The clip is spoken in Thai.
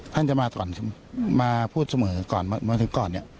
ท่านจะมาก่อนมาพูดเสมอก่อนมาถึงก่อนเนี่ย